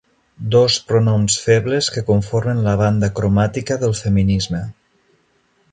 Dos pronoms febles que conformen la banda cromàtica del feminisme.